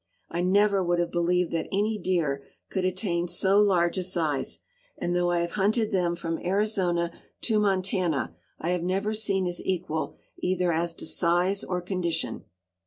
I never would have believed that any deer could attain so large a size, and though I have hunted them from Arizona to Montana, I have never seen his equal either as to size or condition.